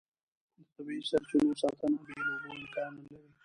د طبیعي سرچینو ساتنه بې له اوبو امکان نه لري.